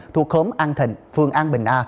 thuộc khóm an thịnh phường an bình a